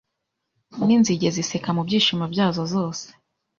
Ninzige ziseka mu byishimo byazo zose